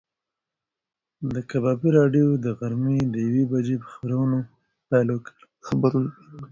د کبابي راډیو د غرمې د یوې بجې په خبرونو پیل وکړ.